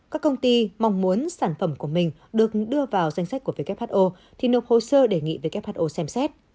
các công ty mong muốn sản phẩm của mình được đưa vào danh sách của who thì nộp hồ sơ đề nghị who xem xét